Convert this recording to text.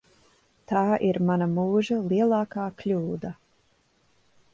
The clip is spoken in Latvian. Tā ir mana mūža lielākā kļūda.